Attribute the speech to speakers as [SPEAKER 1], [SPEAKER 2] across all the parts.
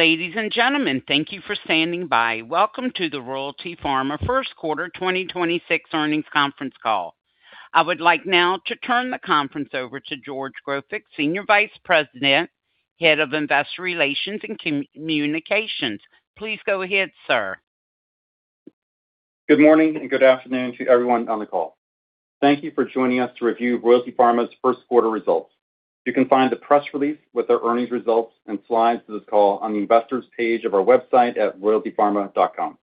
[SPEAKER 1] Ladies and gentlemen, thank you for standing by. Welcome to the Royalty Pharma first quarter 2026 earnings conference call. I would like now to turn the conference over to George Grofik, Senior Vice President, Head of Investor Relations and Communications. Please go ahead, sir.
[SPEAKER 2] Good morning and good afternoon to everyone on the call. Thank you for joining us to review Royalty Pharma's first quarter results. You can find the press release with our earnings results and slides to this call on the investor's page of our website at royaltypharma.com.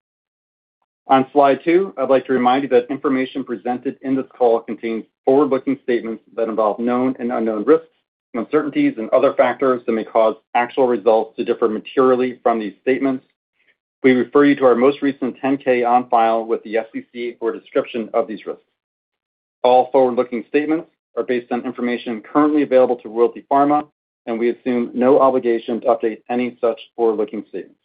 [SPEAKER 2] On slide two, I'd like to remind you that information presented in this call contains forward-looking statements that involve known and unknown risks, uncertainties and other factors that may cause actual results to differ materially from these statements. We refer you to our most recent 10-K on file with the SEC for a description of these risks. All forward-looking statements are based on information currently available to Royalty Pharma. We assume no obligation to update any such forward-looking statements.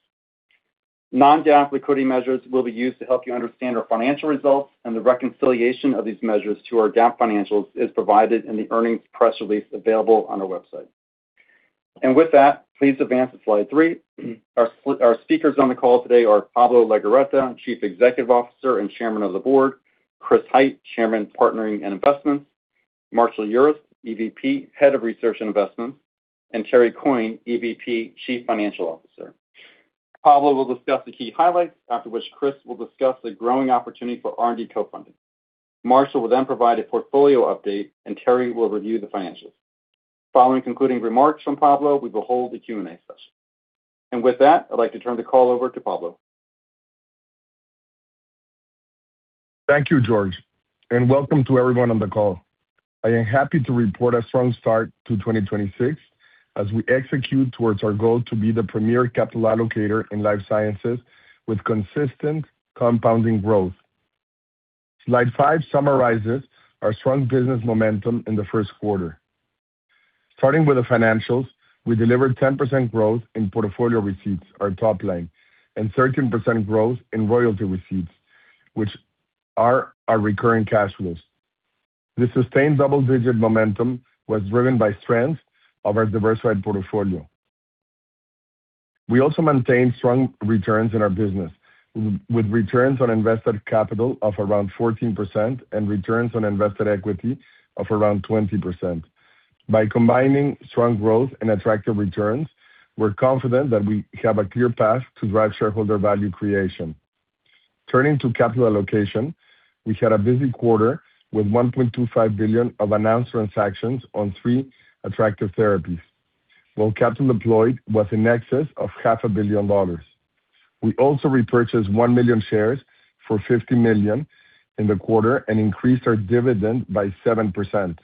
[SPEAKER 2] Non-GAAP liquidity measures will be used to help you understand our financial results and the reconciliation of these measures to our GAAP financials is provided in the earnings press release available on our website. With that, please advance to slide three. Our speakers on the call today are Pablo Legorreta, Chief Executive Officer and Chairman of the Board, Chris Hite, Chairman, Partnering and Investments, Marshall Urist, EVP, Head of Research and Investments, and Terry Coyne, EVP, Chief Financial Officer. Pablo will discuss the key highlights, after which Chris will discuss the growing opportunity for R&D co-funding. Marshall will then provide a portfolio update, and Terry will review the financials. Following concluding remarks from Pablo, we will hold the Q&A session. With that, I'd like to turn the call over to Pablo.
[SPEAKER 3] Thank you, George, welcome to everyone on the call. I am happy to report a strong start to 2026 as we execute towards our goal to be the premier capital allocator in life sciences with consistent compounding growth. Slide five summarizes our strong business momentum in the first quarter. Starting with the financials, we delivered 10% growth in portfolio receipts, our top line, and 13% growth in royalty receipts, which are our recurring cash flows. This sustained double-digit momentum was driven by strength of our diversified portfolio. We also maintained strong returns in our business with returns on invested capital of around 14% and returns on invested equity of around 20%. By combining strong growth and attractive returns, we're confident that we have a clear path to drive shareholder value creation. Turning to capital allocation, we had a busy quarter with $1.25 billion of announced transactions on three attractive therapies, while capital deployed was in excess of $0.5 billion dollars. We also repurchased 1 million shares for $50 million in the quarter and increased our dividend by 7%.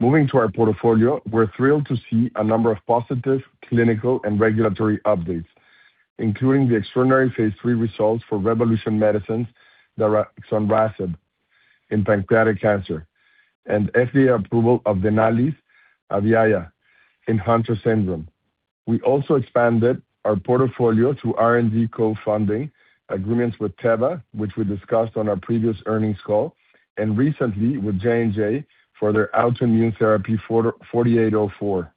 [SPEAKER 3] Moving to our portfolio, we're thrilled to see a number of positive clinical and regulatory updates, including the extraordinary phase III results for Revolution Medicines' daraxonrasib in pancreatic cancer and FDA approval of Denali's Avlayah in Hunter syndrome. We also expanded our portfolio through R&D co-funding agreements with Teva, which we discussed on our previous earnings call, and recently with J&J for their autoimmune therapy 4804.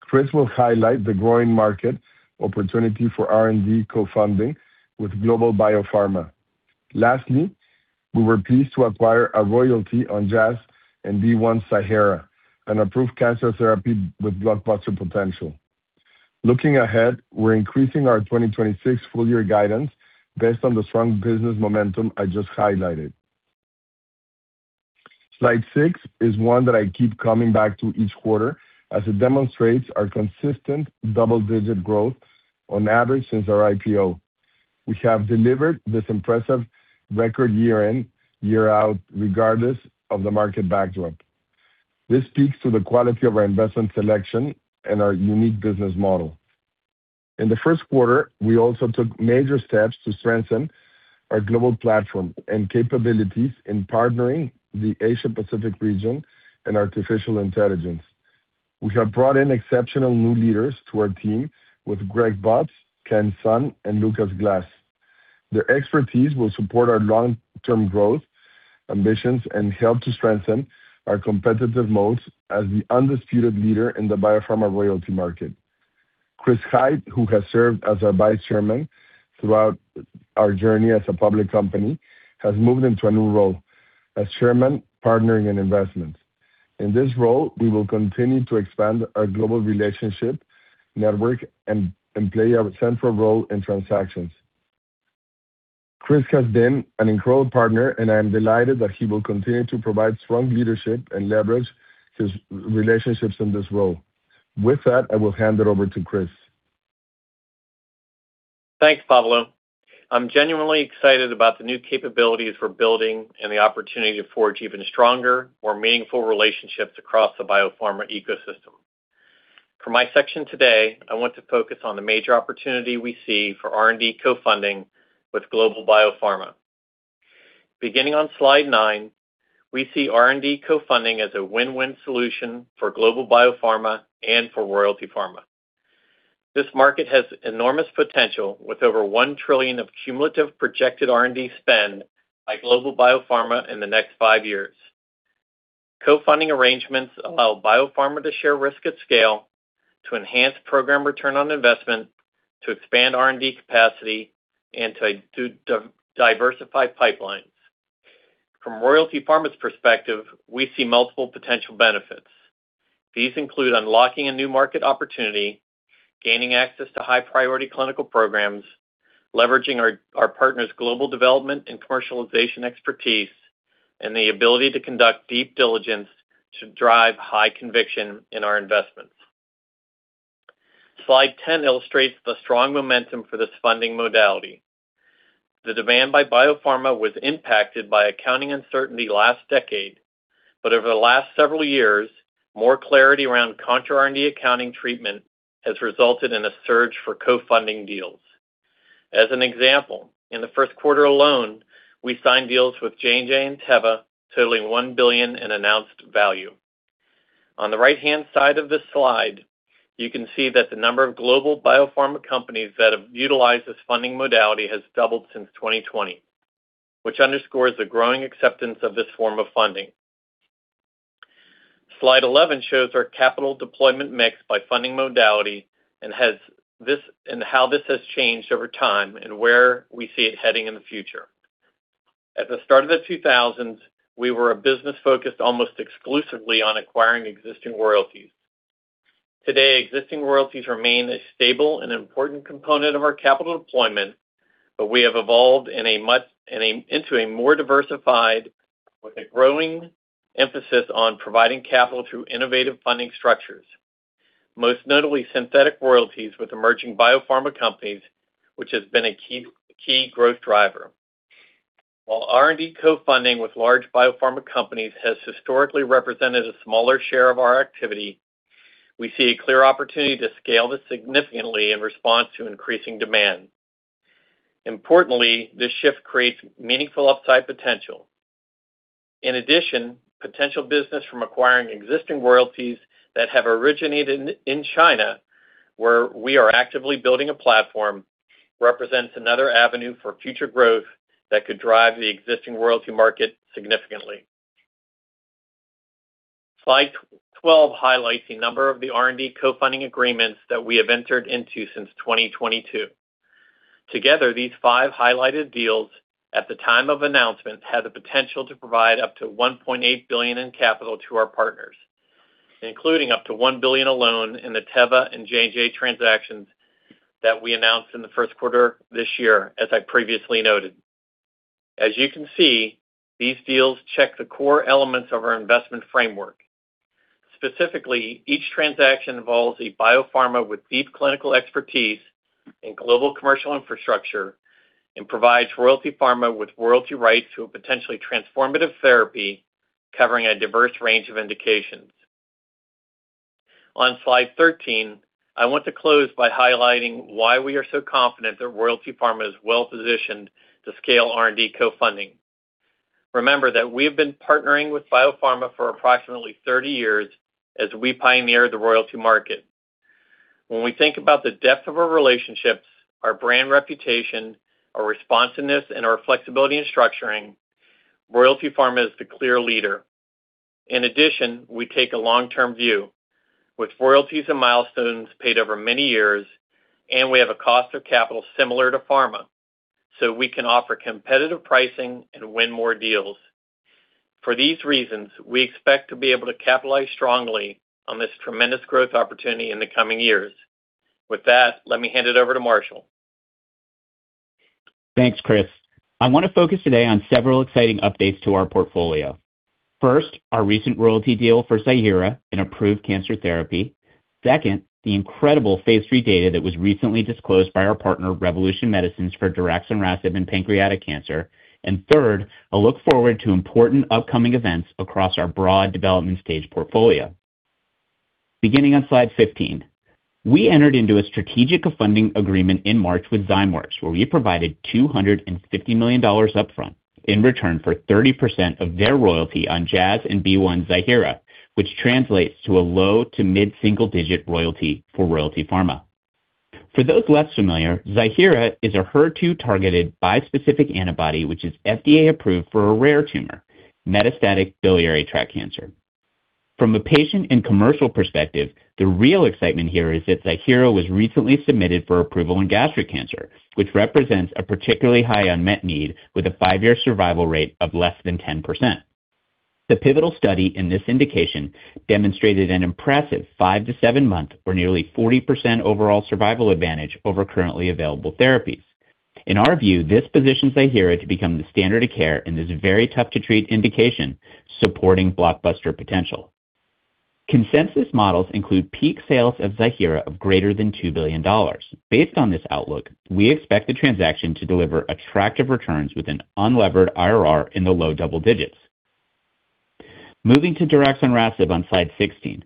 [SPEAKER 3] Chris will highlight the growing market opportunity for R&D co-funding with Global Biopharma. Lastly, we were pleased to acquire a royalty on Jazz and BeOne's Ziihera, an approved cancer therapy with blockbuster potential. Looking ahead, we're increasing our 2026 full year guidance based on the strong business momentum I just highlighted. Slide six is one that I keep coming back to each quarter as it demonstrates our consistent double-digit growth on average since our IPO. We have delivered this impressive record year in, year out, regardless of the market backdrop. This speaks to the quality of our investment selection and our unique business model. In the first quarter, we also took major steps to strengthen our global platform and capabilities in partnering the Asia-Pacific region and artificial intelligence. We have brought in exceptional new leaders to our team with Greg Butz, Ken Sun, and Lucas Glass. Their expertise will support our long-term growth ambitions and help to strengthen our competitive moats as the undisputed leader in the biopharma royalty market. Chris Hite, who has served as our Vice Chairman throughout our journey as a public company, has moved into a new role as Chairman, Partnering and Investments. In this role, we will continue to expand our global relationship network and play a central role in transactions. Chris has been an incredible partner, and I am delighted that he will continue to provide strong leadership and leverage his relationships in this role. With that, I will hand it over to Chris.
[SPEAKER 4] Thanks, Pablo. I'm genuinely excited about the new capabilities we're building and the opportunity to forge even stronger, more meaningful relationships across the biopharma ecosystem. For my section today, I want to focus on the major opportunity we see for R&D co-funding Global Biopharma. Beginning on slide nine, we see R&D co-funding as a win-win solution for Global Biopharma and for Royalty Pharma. This market has enormous potential with over $1 trillion of cumulative projected R&D spend Global Biopharma in the next five years. Co-funding arrangements allow biopharma to share risk at scale, to enhance program return on investment, to expand R&D capacity, and to diversify pipelines. From Royalty Pharma's perspective, we see multiple potential benefits. These include unlocking a new market opportunity, gaining access to high-priority clinical programs, leveraging our partners' global development and commercialization expertise, and the ability to conduct deep diligence to drive high conviction in our investments. Slide 10 illustrates the strong momentum for this funding modality. The demand by biopharma was impacted by accounting uncertainty last decade, but over the last several years, more clarity around contract R&D accounting treatment has resulted in a surge for co-funding deals. As an example, in the first quarter alone, we signed deals with J&J and Teva totaling $1 billion in announced value. On the right-hand side of this slide, you can see that the number Global Biopharma companies that have utilized this funding modality has doubled since 2020, which underscores the growing acceptance of this form of funding. Slide 11 shows our capital deployment mix by funding modality and how this has changed over time and where we see it heading in the future. At the start of the 2000s, we were a business focused almost exclusively on acquiring existing royalties. Today, existing royalties remain a stable and important component of our capital deployment. We have evolved into a more diversified with a growing emphasis on providing capital through innovative funding structures, most notably synthetic royalties with emerging biopharma companies, which has been a key growth driver. R&D co-funding with large biopharma companies has historically represented a smaller share of our activity. We see a clear opportunity to scale this significantly in response to increasing demand. Importantly, this shift creates meaningful upside potential. In addition, potential business from acquiring existing royalties that have originated in China, where we are actively building a platform, represents another avenue for future growth that could drive the existing royalty market significantly. Slide 12 highlights a number of the R&D co-funding agreements that we have entered into since 2022. Together, these five highlighted deals at the time of announcement had the potential to provide up to $1.8 billion in capital to our partners, including up to $1 billion alone in the Teva and J&J transactions that we announced in the first quarter this year, as I previously noted. As you can see, these deals check the core elements of our investment framework. Specifically, each transaction involves a biopharma with deep clinical expertise and global commercial infrastructure and provides Royalty Pharma with royalty rights to a potentially transformative therapy covering a diverse range of indications. On slide 13, I want to close by highlighting why we are so confident that Royalty Pharma is well-positioned to scale R&D co-funding. Remember that we have been partnering with biopharma for approximately 30 years as we pioneered the royalty market. When we think about the depth of our relationships, our brand reputation, our responsiveness, and our flexibility in structuring, Royalty Pharma is the clear leader. In addition, we take a long-term view with royalties and milestones paid over many years, and we have a cost of capital similar to pharma, so we can offer competitive pricing and win more deals. For these reasons, we expect to be able to capitalize strongly on this tremendous growth opportunity in the coming years. With that, let me hand it over to Marshall.
[SPEAKER 5] Thanks, Chris. I want to focus today on several exciting updates to our portfolio. First, our recent royalty deal for Ziihera, an approved cancer therapy. Second, the incredible phase III data that was recently disclosed by our partner, Revolution Medicines, for daraxonrasib in pancreatic cancer. Third, a look forward to important upcoming events across our broad development stage portfolio. Beginning on slide 15, we entered into a strategic funding agreement in March with Zymeworks, where we provided $250 million upfront in return for 30% of their royalty on Jazz and BeOne's Ziihera, which translates to a low-to-mid single-digit royalty for Royalty Pharma. For those less familiar, Ziihera is a HER2-targeted bispecific antibody which is FDA-approved for a rare tumor, metastatic biliary tract cancer. From a patient and commercial perspective, the real excitement here is that Ziihera was recently submitted for approval in gastric cancer, which represents a particularly high unmet need with a five-year survival rate of less than 10%. The pivotal study in this indication demonstrated an impressive five to seven-month or nearly 40% overall survival advantage over currently available therapies. In our view, this positions Ziihera to become the standard of care in this very tough-to-treat indication, supporting blockbuster potential. Consensus models include peak sales of Ziihera of greater than $2 billion. Based on this outlook, we expect the transaction to deliver attractive returns with an unlevered IRR in the low double digits. Moving to daraxonrasib on slide 16.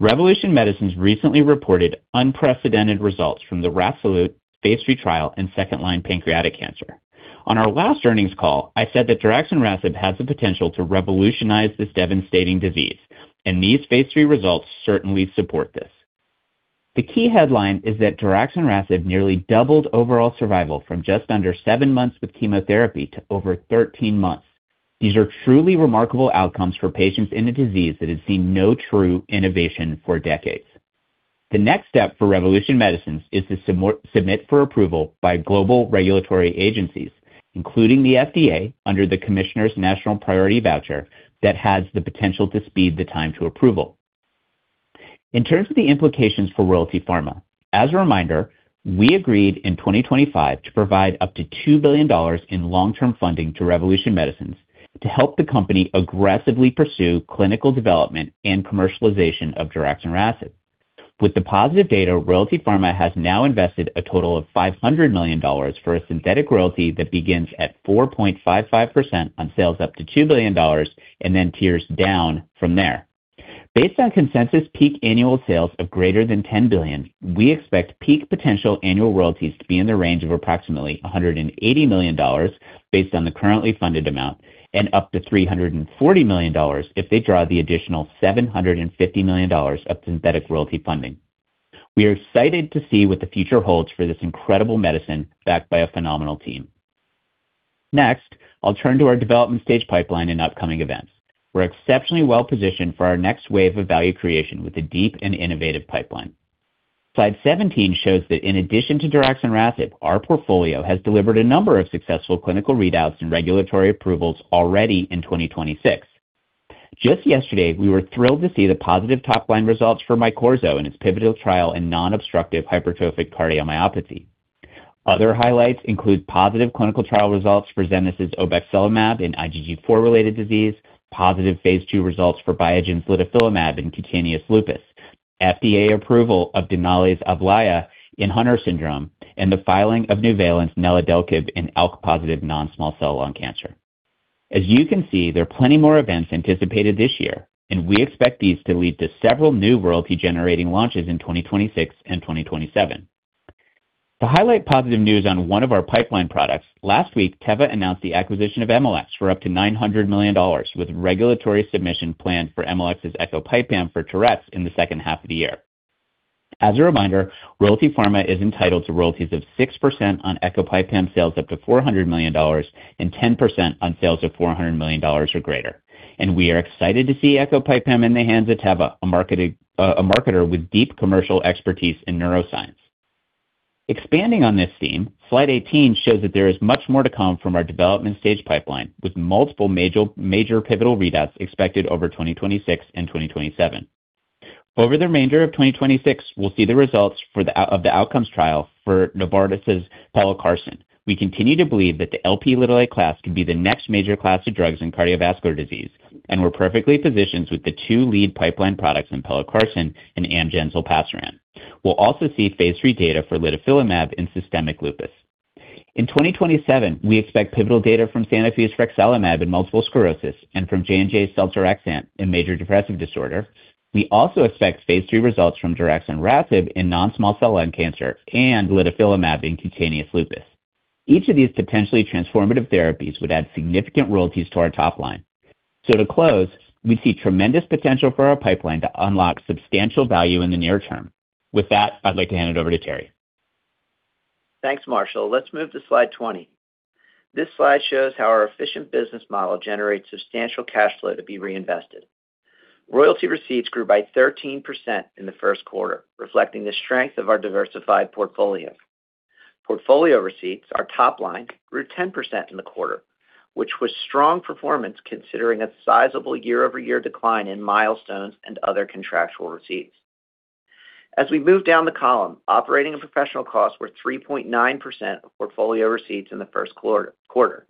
[SPEAKER 5] Revolution Medicines recently reported unprecedented results from the RASolute phase III trial in second-line pancreatic cancer. On our last earnings call, I said that daraxonrasib has the potential to revolutionize this devastating disease. These phase III results certainly support this. The key headline is that daraxonrasib nearly doubled overall survival from just under seven months with chemotherapy to over 13 months. These are truly remarkable outcomes for patients in a disease that has seen no true innovation for decades. The next step for Revolution Medicines is to submit for approval by global regulatory agencies, including the FDA under the commissioner's national priority voucher that has the potential to speed the time to approval. In terms of the implications for Royalty Pharma, as a reminder, we agreed in 2025 to provide up to $2 billion in long-term funding to Revolution Medicines to help the company aggressively pursue clinical development and commercialization of daraxonrasib. With the positive data, Royalty Pharma has now invested a total of $500 million for a synthetic royalty that begins at 4.55% on sales up to $2 billion and then tiers down from there. Based on consensus peak annual sales of greater than $10 billion, we expect peak potential annual royalties to be in the range of approximately $180 million based on the currently funded amount, and up to $340 million if they draw the additional $750 million of synthetic royalty funding. We are excited to see what the future holds for this incredible medicine backed by a phenomenal team. I'll turn to our development stage pipeline and upcoming events. We're exceptionally well-positioned for our next wave of value creation with a deep and innovative pipeline. Slide 17 shows that in addition to daraxonrasib, our portfolio has delivered a number of successful clinical readouts and regulatory approvals already in 2026. Just yesterday, we were thrilled to see the positive top-line results for MYQORZO in its pivotal trial in non-obstructive hypertrophic cardiomyopathy. Other highlights include positive clinical trial results for Zenas' obexelimab in IgG4-related disease, positive phase II results for Biogen's litifilimab in cutaneous lupus, FDA approval of Denali's Avlayah in Hunter syndrome, and the filing of Nuvalent neladalkib in ALK-positive non-small cell lung cancer. As you can see, there are plenty more events anticipated this year, and we expect these to lead to several new royalty-generating launches in 2026 and 2027. To highlight positive news on one of our pipeline products, last week, Teva announced the acquisition of Emalex for up to $900 million, with regulatory submission planned for Emalex's ecopipam for Tourette's in the second half of the year. As a reminder, Royalty Pharma is entitled to royalties of 6% on ecopipam sales up to $400 million and 10% on sales of $400 million or greater. We are excited to see ecopipam in the hands of Teva, a marketer with deep commercial expertise in neuroscience. Expanding on this theme, slide 18 shows that there is much more to come from our development stage pipeline, with multiple major pivotal readouts expected over 2026 and 2027. Over the remainder of 2026, we'll see the results for the outcomes trial for Novartis' pelacarsen. We continue to believe that the Lp(a) class could be the next major class of drugs in cardiovascular disease. We're perfectly positioned with the two lead pipeline products in pelacarsen and Amgen's olpasiran. We'll also see phase III data for litifilimab in systemic lupus. In 2027, we expect pivotal data from Sanofi's frexalimab in multiple sclerosis and from J&J's seltorexant in major depressive disorder. We also expect phase III results from daraxonrasib in non-small cell lung cancer and litifilimab in cutaneous lupus. Each of these potentially transformative therapies would add significant royalties to our top line. To close, we see tremendous potential for our pipeline to unlock substantial value in the near term. With that, I'd like to hand it over to Terry.
[SPEAKER 6] Thanks, Marshall. Let's move to slide 20. This slide shows how our efficient business model generates substantial cash flow to be reinvested. Royalty receipts grew by 13% in the first quarter, reflecting the strength of our diversified portfolio. Portfolio receipts, our top line, grew 10% in the quarter, which was strong performance considering a sizable year-over-year decline in milestones and other contractual receipts. As we move down the column, operating and professional costs were 3.9% of portfolio receipts in the first quarter.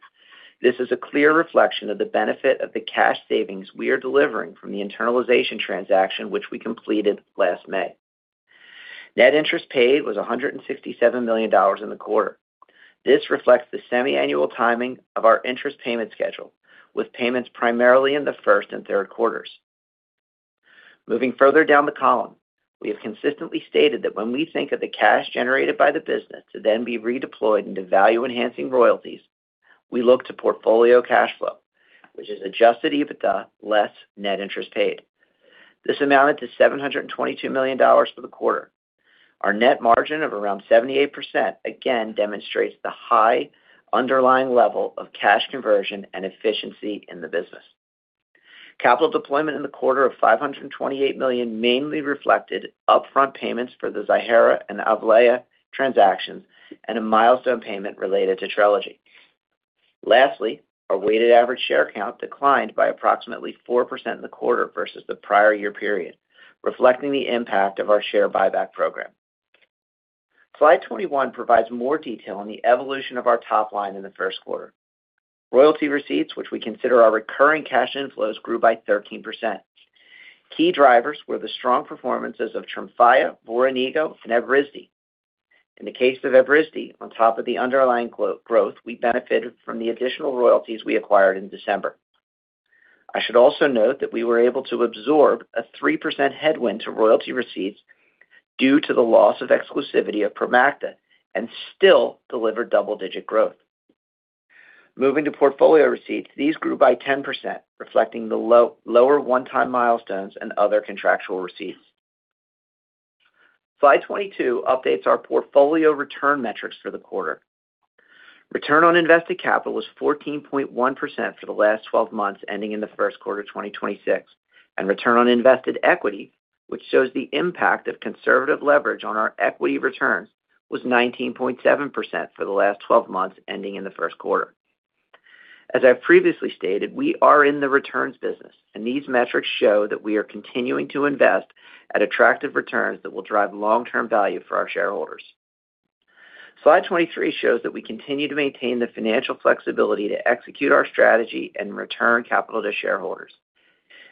[SPEAKER 6] This is a clear reflection of the benefit of the cash savings we are delivering from the internalization transaction, which we completed last May. Net interest paid was $167 million in the quarter. This reflects the semi-annual timing of our interest payment schedule, with payments primarily in the first and third quarters. Moving further down the column, we have consistently stated that when we think of the cash generated by the business to then be redeployed into value-enhancing royalties, we look to portfolio cash flow, which is adjusted EBITDA less net interest paid. This amounted to $722 million for the quarter. Our net margin of around 78% again demonstrates the high underlying level of cash conversion and efficiency in the business. Capital deployment in the quarter of $528 million mainly reflected upfront payments for the Ziihera and Avlayah transactions and a milestone payment related to TRELEGY. Lastly, our weighted average share count declined by approximately 4% in the quarter versus the prior year period, reflecting the impact of our share buyback program. Slide 21 provides more detail on the evolution of our top line in the first quarter. Royalty receipts, which we consider our recurring cash inflows, grew by 13%. Key drivers were the strong performances of Tremfya, Voranigo, and Evrysdi. In the case of Evrysdi, on top of the underlying growth, we benefited from the additional royalties we acquired in December. I should also note that we were able to absorb a 3% headwind to royalty receipts due to the loss of exclusivity of Promacta and still deliver double-digit growth. To portfolio receipts, these grew by 10%, reflecting the lower one-time milestones and other contractual receipts. Slide 22 updates our portfolio return metrics for the quarter. Return on invested capital was 14.1% for the last 12 months, ending in the first quarter of 2026. Return on invested equity, which shows the impact of conservative leverage on our equity returns, was 19.7% for the last 12 months, ending in the first quarter. As I previously stated, we are in the returns business, and these metrics show that we are continuing to invest at attractive returns that will drive long-term value for our shareholders. Slide 23 shows that we continue to maintain the financial flexibility to execute our strategy and return capital to shareholders.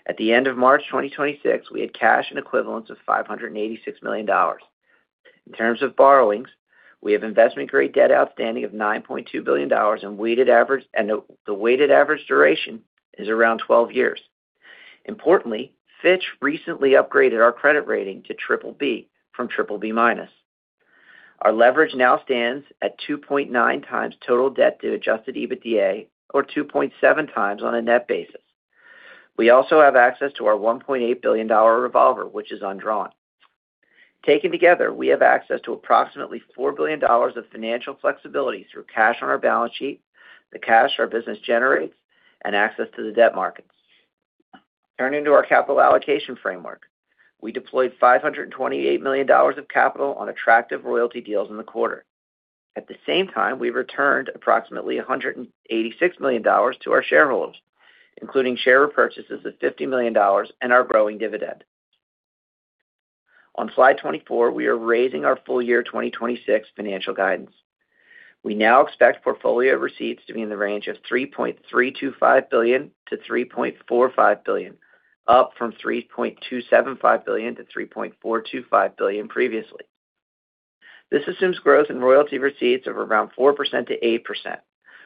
[SPEAKER 6] At the end of March 2026, we had cash and equivalents of $586 million. In terms of borrowings, we have investment-grade debt outstanding of $9.2 billion and the weighted average duration is around 12 years. Importantly, Fitch recently upgraded our credit rating to BBB from BBB-. Our leverage now stands at 2.9x total debt to adjusted EBITDA, or 2.7x on a net basis. We also have access to our $1.8 billion revolver, which is undrawn. Taken together, we have access to approximately $4 billion of financial flexibility through cash on our balance sheet, the cash our business generates, and access to the debt markets. Turning to our capital allocation framework, we deployed $528 million of capital on attractive royalty deals in the quarter. At the same time, we returned approximately $186 million to our shareholders, including share repurchases of $50 million and our growing dividend. On slide 24, we are raising our full year 2026 financial guidance. We now expect portfolio receipts to be in the range of $3.325 billion-$3.45 billion, up from $3.275 billion-$3.425 billion previously. This assumes growth in royalty receipts of around 4%-8%,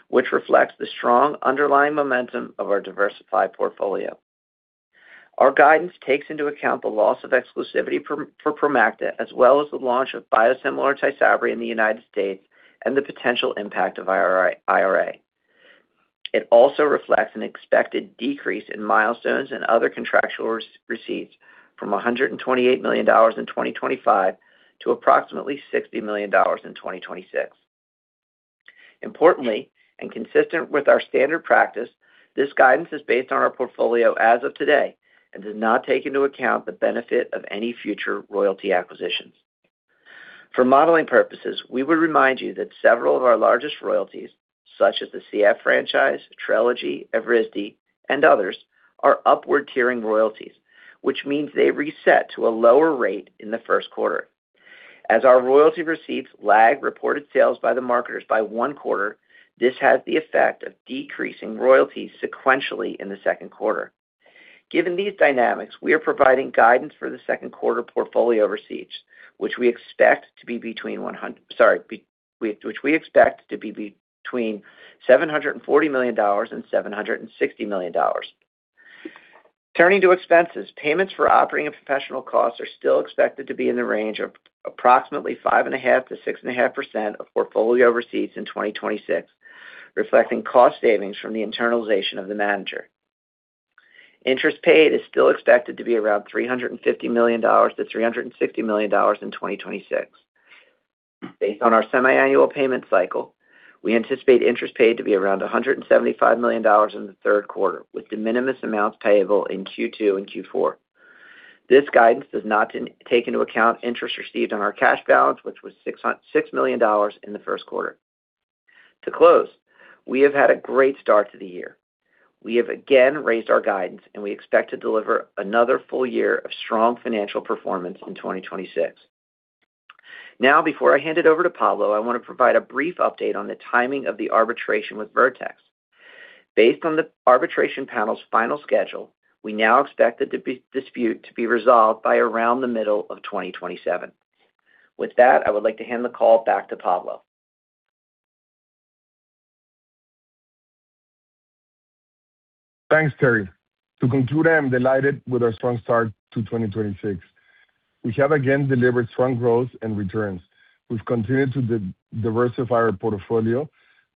[SPEAKER 6] which reflects the strong underlying momentum of our diversified portfolio. Our guidance takes into account the loss of exclusivity for Promacta, as well as the launch of biosimilar Tysabri in the United States and the potential impact of IRA. It also reflects an expected decrease in milestones and other contractual receipts from $128 million in 2025 to approximately $60 million in 2026. Importantly, consistent with our standard practice, this guidance is based on our portfolio as of today and does not take into account the benefit of any future royalty acquisitions. For modeling purposes, we would remind you that several of our largest royalties, such as the CF franchise, TRELEGY, Evrysdi, and others, are upward-tiering royalties, which means they reset to a lower rate in the first quarter. As our royalty receipts lag reported sales by the marketers by one quarter, this has the effect of decreasing royalties sequentially in the second quarter. Given these dynamics, we are providing guidance for the second quarter portfolio receipts, which we expect to be between $740 million and $760 million. Turning to expenses, payments for operating and professional costs are still expected to be in the range of approximately 5.5%-6.5% of portfolio receipts in 2026, reflecting cost savings from the internalization of the manager. Interest paid is still expected to be around $350 million-$360 million in 2026. Based on our semiannual payment cycle, we anticipate interest paid to be around $175 million in the third quarter, with de minimis amounts payable in Q2 and Q4. This guidance does not take into account interest received on our cash balance, which was $6 million in the first quarter. To close, we have had a great start to the year. We have again raised our guidance, and we expect to deliver another full year of strong financial performance in 2026. Now, before I hand it over to Pablo, I want to provide a brief update on the timing of the arbitration with Vertex. Based on the arbitration panel's final schedule, we now expect the dispute to be resolved by around the middle of 2027. With that, I would like to hand the call back to Pablo.
[SPEAKER 3] Thanks, Terry. To conclude, I am delighted with our strong start to 2026. We have again delivered strong growth and returns. We've continued to diversify our portfolio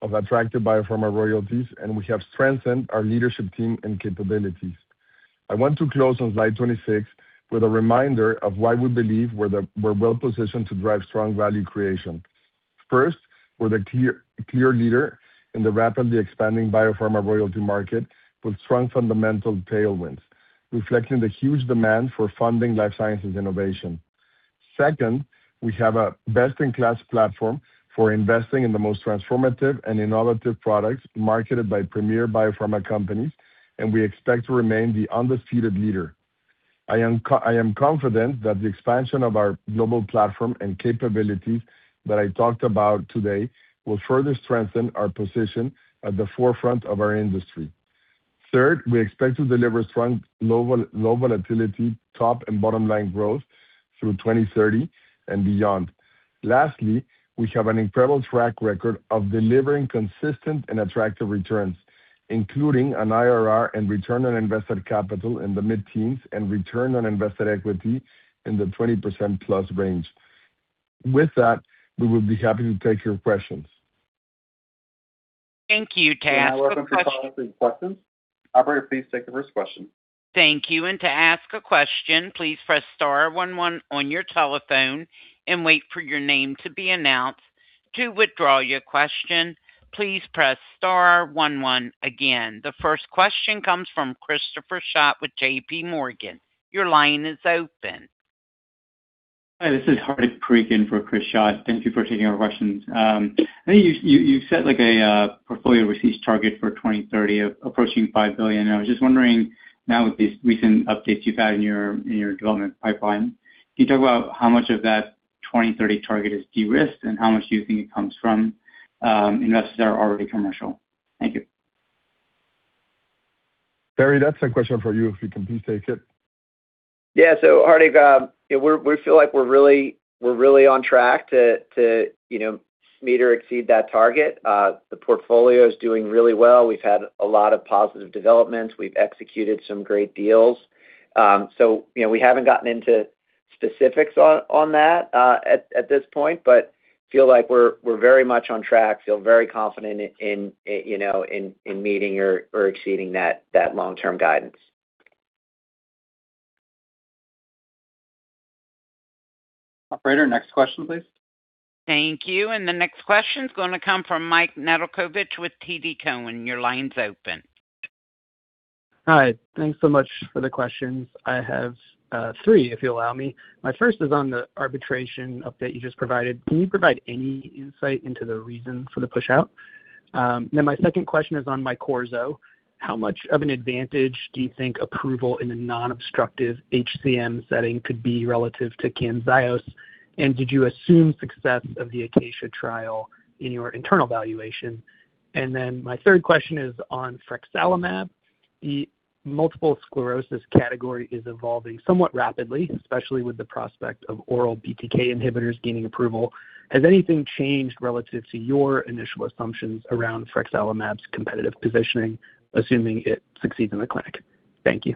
[SPEAKER 3] of attractive biopharma royalties. We have strengthened our leadership team and capabilities. I want to close on slide 26 with a reminder of why we believe we're well-positioned to drive strong value creation. First, we're the clear leader in the rapidly expanding biopharma royalty market with strong fundamental tailwinds, reflecting the huge demand for funding life sciences innovation. Second, we have a best-in-class platform for investing in the most transformative and innovative products marketed by premier biopharma companies. We expect to remain the undefeated leader. I am confident that the expansion of our global platform and capabilities that I talked about today will further strengthen our position at the forefront of our industry. Third, we expect to deliver strong low volatility, top and bottom line growth through 2030 and beyond. Lastly, we have an incredible track record of delivering consistent and attractive returns, including an IRR and return on invested capital in the mid-teens and return on invested equity in the 20%+ range. With that, we will be happy to take your questions.
[SPEAKER 1] Thank you. To ask-
[SPEAKER 2] We'll now welcome your calls and questions. Operator, please take the first question.
[SPEAKER 1] Thank you. To ask a question, please press star one one on your telephone and wait for your name to be announced. To withdraw your question, please press star one one again. The first question comes from Christopher Schott with JPMorgan. Your line is open.
[SPEAKER 7] Hi, this is Hardik Parikh in for Chris Schott. Thank you for taking our questions. I think you set like a portfolio receive target for 2030 of approaching $5 billion. I was just wondering now with these recent updates you've had in your development pipeline, can you talk about how much of that 2030 target is de-risked and how much do you think it comes from investors that are already commercial? Thank you.
[SPEAKER 3] Terry, that's a question for you if you can please take it.
[SPEAKER 6] Yeah. Hardik, yeah, we feel like we're really on track to, you know, meet or exceed that target. The portfolio is doing really well. We've had a lot of positive developments. We've executed some great deals. You know, we haven't gotten into specifics on that at this point, but feel like we're very much on track, feel very confident in, you know, in meeting or exceeding that long-term guidance.
[SPEAKER 2] Operator, next question, please.
[SPEAKER 1] Thank you. The next question's gonna come from Mike Nedelcovych with TD Cowen. Your line's open.
[SPEAKER 8] Hi. Thanks so much for the questions. I have three, if you allow me. My first is on the arbitration update you just provided. Can you provide any insight into the reason for the pushout? My second question is on MYQORZO. How much of an advantage do you think approval in the non-obstructive HCM setting could be relative to Camzyos? Did you assume success of the ACACIA trial in your internal valuation? My third question is on frexalimab. The multiple sclerosis category is evolving somewhat rapidly, especially with the prospect of oral BTK inhibitors gaining approval. Has anything changed relative to your initial assumptions around frexalimab's competitive positioning, assuming it succeeds in the clinic? Thank you.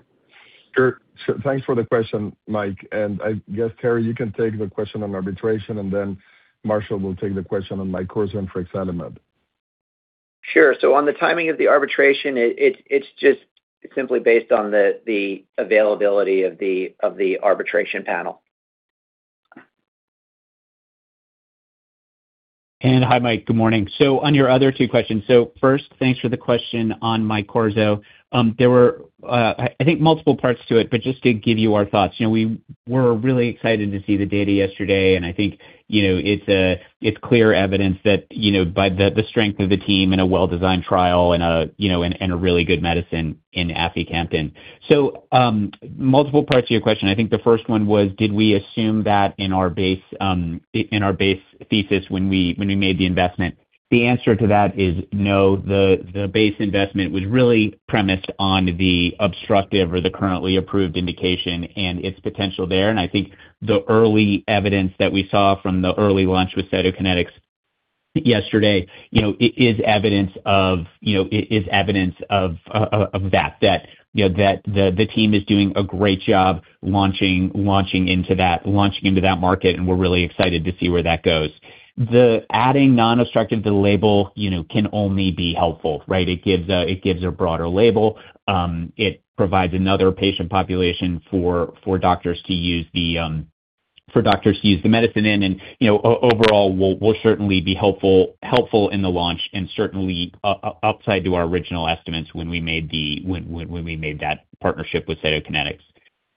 [SPEAKER 3] Sure. Thanks for the question, Mike. I guess, Terry, you can take the question on arbitration, and then Marshall will take the question on MYQORZO and frexalimab.
[SPEAKER 6] Sure. On the timing of the arbitration, it's just simply based on the availability of the arbitration panel.
[SPEAKER 5] Hi, Mike. Good morning. On your other two questions, first, thanks for the question on MYQORZO. There were, I think multiple parts to it, but just to give you our thoughts, we were really excited to see the data yesterday, and I think it's clear evidence that by the strength of the team in a well-designed trial and a really good medicine in aficamten. Multiple parts to your question. I think the first one was, did we assume that in our base in our base thesis when we, when we made the investment? The answer to that is no. The base investment was really premised on the obstructive or the currently approved indication and its potential there. I think the early evidence that we saw from the early launch with Cytokinetics yesterday, you know, is evidence of that, you know, that the team is doing a great job launching into that market, and we're really excited to see where that goes. The adding non-obstructive to the label, you know, can only be helpful, right? It gives a broader label. It provides another patient population for doctors to use the medicine in. You know, overall, will certainly be helpful in the launch and certainly upside to our original estimates when we made that partnership with Cytokinetics.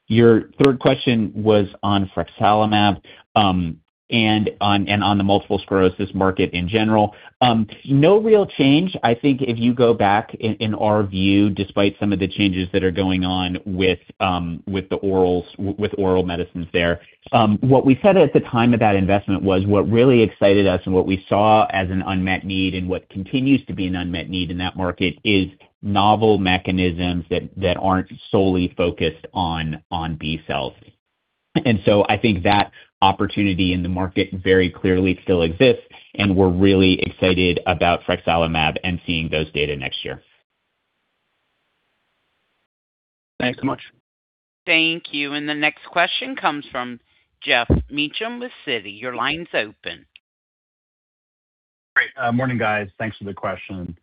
[SPEAKER 5] Your third question was on frexalimab and on the multiple sclerosis market in general. No real change. I think if you go back in our view, despite some of the changes that are going on with oral medicines there, what we said at the time of that investment was what really excited us and what we saw as an unmet need and what continues to be an unmet need in that market is novel mechanisms that aren't solely focused on B cells. I think that opportunity in the market very clearly still exists, and we're really excited about frexalimab and seeing those data next year.
[SPEAKER 8] Thanks so much.
[SPEAKER 1] Thank you. The next question comes from Geoff Meacham with Citi. Your line's open.
[SPEAKER 9] Great. Morning, guys. Thanks for the question.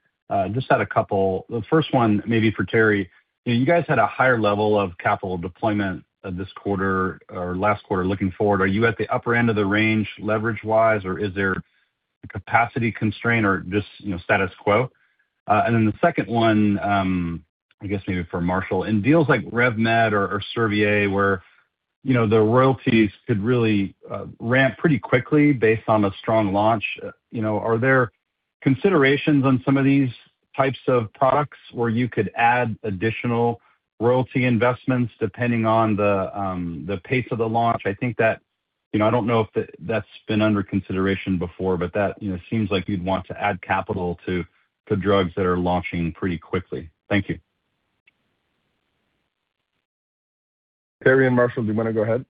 [SPEAKER 9] Just had a couple. The first one maybe for Terry. You know, you guys had a higher level of capital deployment this quarter or last quarter. Looking forward, are you at the upper end of the range leverage-wise, or is there a capacity constraint or just, you know, status quo? Then the second one, I guess maybe for Marshall. In deals like RevMed or Servier where, you know, the royalties could really ramp pretty quickly based on the strong launch, you know, are there considerations on some of these types of products where you could add additional royalty investments depending on the pace of the launch? I think, you know, I don't know if that's been under consideration before, but that, you know, seems like you'd want to add capital to drugs that are launching pretty quickly. Thank you.
[SPEAKER 3] Terry and Marshall, do you wanna go ahead?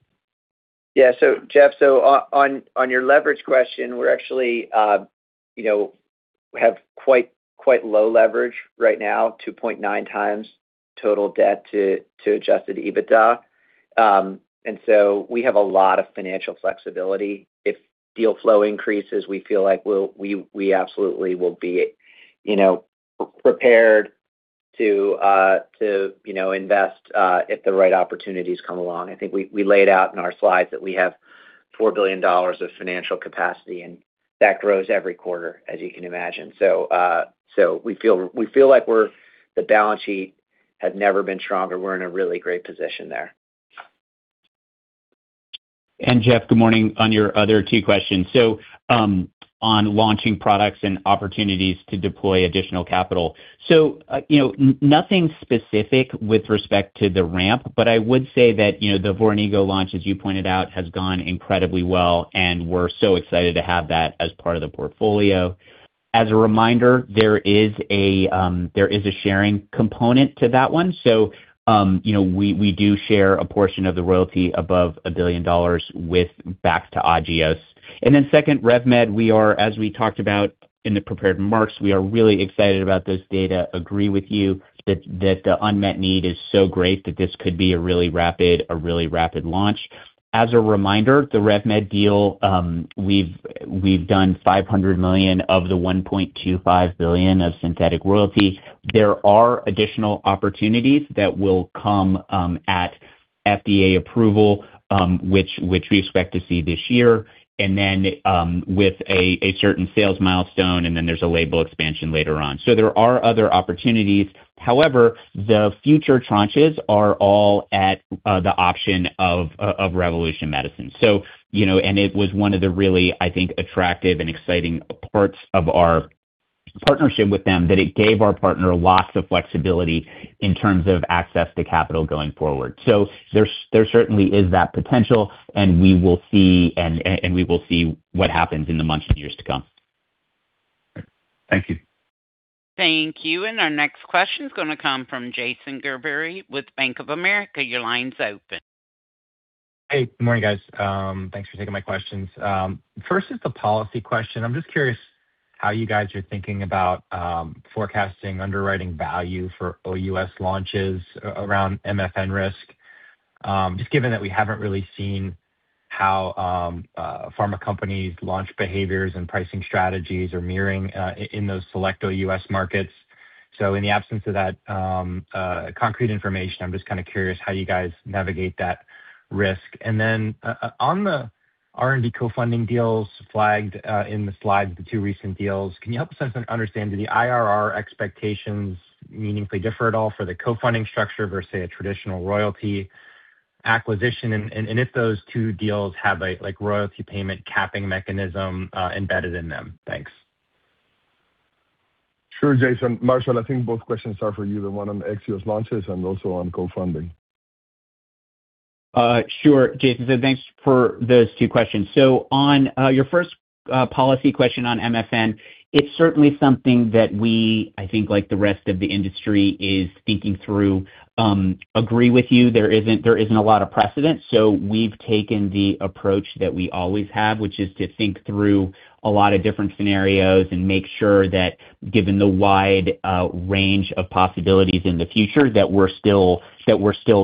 [SPEAKER 6] Yeah. Geoff, on your leverage question, we're actually, you know, we have quite low leverage right now, 2.9x total debt to adjusted EBITDA. We have a lot of financial flexibility. If deal flow increases, we feel like we absolutely will be, you know, prepared to, you know, invest if the right opportunities come along. I think we laid out in our slides that we have $4 billion of financial capacity, that grows every quarter, as you can imagine. We feel like the balance sheet has never been stronger. We're in a really great position there.
[SPEAKER 5] Geoff, good morning on your other two questions. On launching products and opportunities to deploy additional capital. You know, nothing specific with respect to the ramp, but I would say that, you know, the Voranigo launch, as you pointed out, has gone incredibly well, and we're so excited to have that as part of the portfolio. As a reminder, there is a, there is a sharing component to that one. You know, we do share a portion of the royalty above $1 billion with back to Agios. Then second, RevMed, we are as we talked about in the prepared remarks, we are really excited about this data. Agree with you that the unmet need is so great that this could be a really rapid launch. As a reminder, the RevMed deal, we've done $500 million of the $1.25 billion of synthetic royalty. There are additional opportunities that will come at FDA approval, which we expect to see this year. With a certain sales milestone, and then there's a label expansion later on. There are other opportunities. However, the future tranches are all at the option of Revolution Medicines. You know, and it was one of the really, I think, attractive and exciting parts of our partnership with them, that it gave our partner lots of flexibility in terms of access to capital going forward. There certainly is that potential, and we will see and we will see what happens in the months and years to come.
[SPEAKER 9] Thank you.
[SPEAKER 1] Thank you. Our next question is gonna come from Jason Gerberry with Bank of America. Your line's open.
[SPEAKER 10] Hey. Good morning, guys. Thanks for taking my questions. First is the policy question. I'm just curious how you guys are thinking about forecasting underwriting value for OUS launches around MFN risk, just given that we haven't really seen how pharma companies' launch behaviors and pricing strategies are mirroring in those select OUS markets. In the absence of that concrete information, I'm just kind of curious how you guys navigate that risk? Then on the R&D co-funding deals flagged in the slides, the two recent deals, can you help us understand, do the IRR expectations meaningfully differ at all for the co-funding structure versus a traditional royalty acquisition? If those two deals have a, like, royalty payment capping mechanism embedded in them? Thanks.
[SPEAKER 3] Sure, Jason. Marshall, I think both questions are for you, the one on the ex-U.S. launches and also on co-funding.
[SPEAKER 5] Sure, Jason. Thanks for those two questions. On your first policy question on MFN, it's certainly something that we, I think like the rest of the industry, is thinking through. Agree with you, there isn't a lot of precedent. We've taken the approach that we always have, which is to think through a lot of different scenarios and make sure that given the wide range of possibilities in the future, that we're still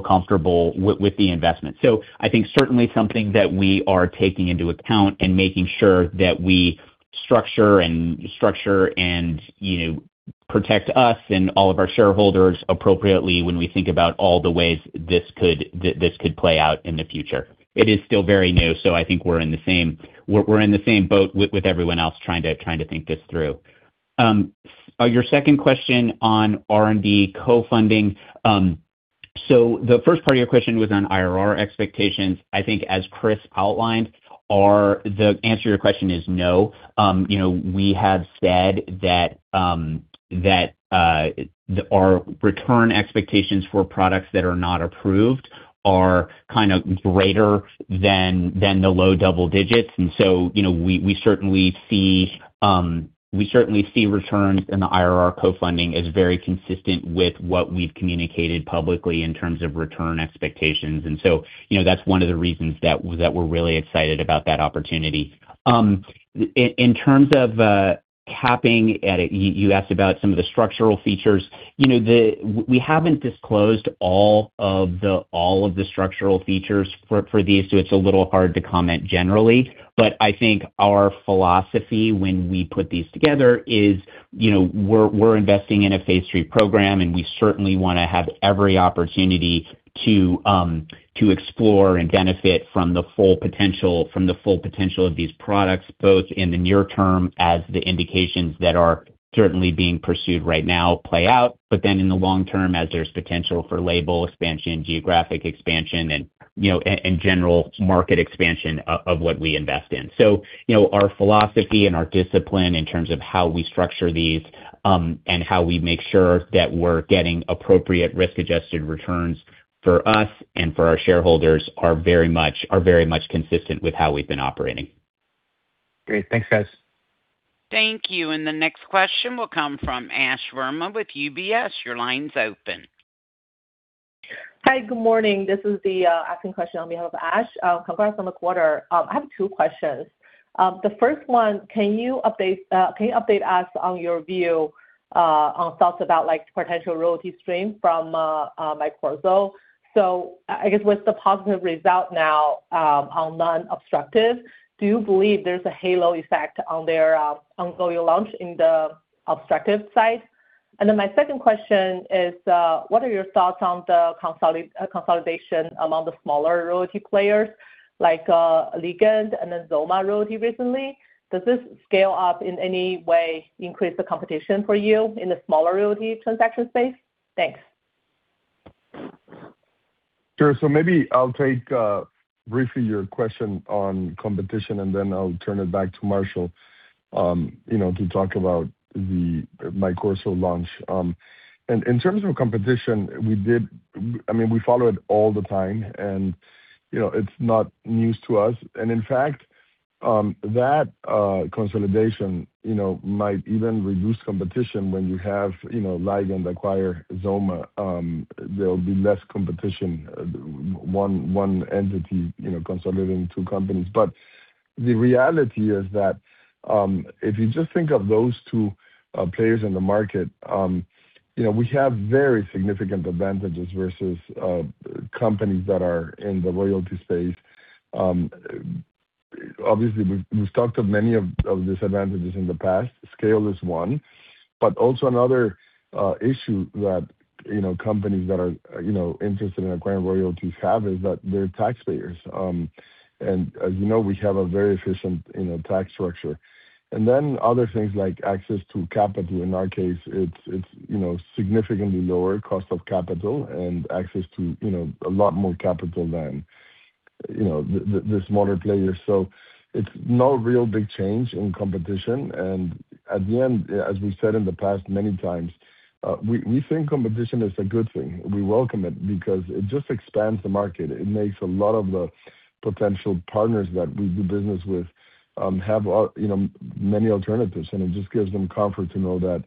[SPEAKER 5] comfortable with the investment. I think certainly something that we are taking into account and making sure that we structure and, you know, protect us and all of our shareholders appropriately when we think about all the ways this could play out in the future. It is still very new, so I think we're in the same boat with everyone else trying to think this through. Your second question on R&D co-funding. The first part of your question was on IRR expectations. I think as Chris outlined, the answer to your question is no. You know, we have said that our return expectations for products that are not approved are kind of greater than the low double digits. You know, we certainly see returns in the IRR co-funding as very consistent with what we've communicated publicly in terms of return expectations. You know, that's one of the reasons that we're really excited about that opportunity. In terms of capping at it, you asked about some of the structural features. You know, we haven't disclosed all of the structural features for these, so it's a little hard to comment generally. I think our philosophy when we put these together is, you know, we're investing in a phase III program, and we certainly wanna have every opportunity to explore and benefit from the full potential of these products, both in the near term as the indications that are certainly being pursued right now play out, then in the long term as there's potential for label expansion, geographic expansion and, you know, and general market expansion of what we invest in. You know, our philosophy and our discipline in terms of how we structure these, and how we make sure that we're getting appropriate risk-adjusted returns for us and for our shareholders are very much consistent with how we've been operating.
[SPEAKER 10] Great. Thanks, guys.
[SPEAKER 1] Thank you. The next question will come from Ash Verma with UBS. Your line's open.
[SPEAKER 11] Hi, good morning. This is the asking question on behalf of Ash. Congrats on the quarter. I have two questions. The first one, can you update us on your view on thoughts about like potential royalty stream from MYQORZO? I guess with the positive result now on non-obstructive, do you believe there's a halo effect on their ongoing launch in the obstructive side? My second question is, what are your thoughts on the consolidation among the smaller royalty players like Ligand and XOMA Royalty recently? Does this scale up in any way increase the competition for you in the smaller royalty transaction space? Thanks.
[SPEAKER 3] Sure. Maybe I'll take briefly your question on competition, and then I'll turn it back to Marshall, you know, to talk about the MYQORZO launch. In terms of competition, we follow it all the time and, you know, it's not news to us. In fact, that consolidation, you know, might even reduce competition when you have, you know, Ligand acquire XOMA. There'll be less competition, one entity, you know, consolidating two companies. The reality is that, if you just think of those two players in the market, you know, we have very significant advantages versus companies that are in the royalty space. Obviously, we've talked of many of these advantages in the past. Scale is one. Also another issue that, you know, companies that are, you know, interested in acquiring royalties have is that they're taxpayers. As you know, we have a very efficient, you know, tax structure. Then other things like access to capital. In our case, it's, you know, significantly lower cost of capital and access to, you know, a lot more capital than, you know, the smaller players. It's no real big change in competition. At the end, as we said in the past many times, we think competition is a good thing. We welcome it because it just expands the market. It makes a lot of the potential partners that we do business with, have, you know, many alternatives, and it just gives them comfort to know that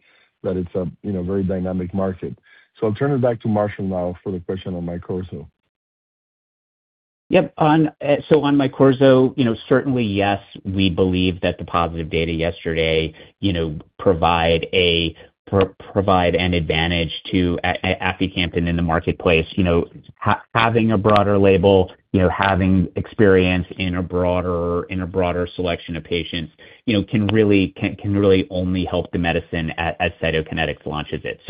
[SPEAKER 3] it's a, you know, very dynamic market. I'll turn it back to Marshall now for the question on MYQORZO.
[SPEAKER 5] Yep. On MYQORZO, you know, certainly, yes, we believe that the positive data yesterday, you know, provide an advantage to aficamten in the marketplace. Having a broader label, you know, having experience in a broader selection of patients, you know, can really only help the medicine as Cytokinetics launches it.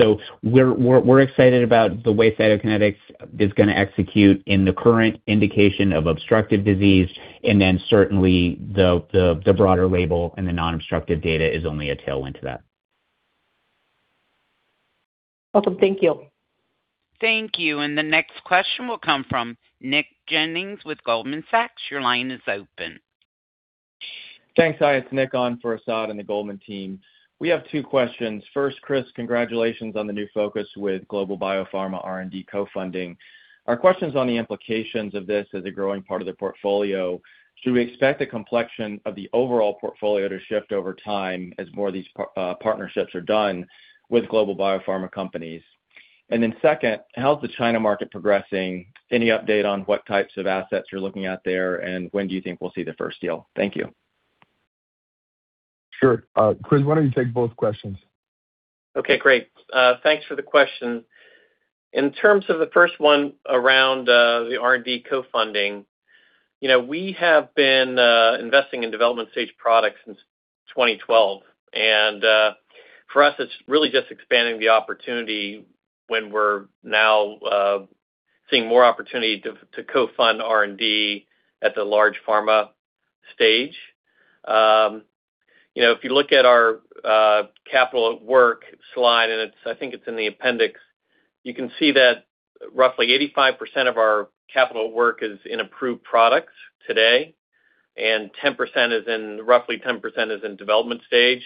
[SPEAKER 5] We're excited about the way Cytokinetics is gonna execute in the current indication of obstructive disease, and then certainly the broader label and the non-obstructive data is only a tailwind to that.
[SPEAKER 11] Awesome. Thank you.
[SPEAKER 1] Thank you. The next question will come from Nick Jennings with Goldman Sachs. Your line is open.
[SPEAKER 12] Thanks. Hi, it's Nick on for Asad and the Goldman Sachs team. We have two questions. First, Chris, congratulations on the new focus Global Biopharma R&D co-funding. Our question's on the implications of this as a growing part of the portfolio. Should we expect the complexion of the overall portfolio to shift over time as more of these partnerships are done Global Biopharma companies? Second, how's the China market progressing? Any update on what types of assets you're looking at there, and when do you think we'll see the first deal? Thank you.
[SPEAKER 3] Sure. Chris, why don't you take both questions?
[SPEAKER 4] Okay, great. Thanks for the question. In terms of the first one around the R&D co-funding, you know, we have been investing in development stage products since 2012 and for us, it's really just expanding the opportunity when we're now seeing more opportunity to co-fund R&D at the large pharma stage. You know, if you look at our capital at work slide, I think it's in the appendix, you can see that roughly 85% of our capital work is in approved products today, and roughly 10% is in development stage,